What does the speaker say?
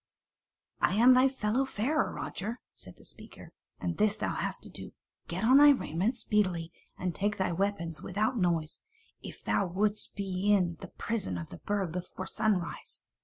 "I am thy fellow farer, Roger," said the speaker, "and this thou hast to do, get on thy raiment speedily, and take thy weapons without noise, if thou wouldst not be in the prison of the Burg before sunrise."